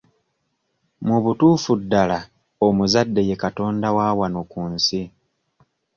Mu butuufu ddala omuzadde ye katonda wa wano ku nsi.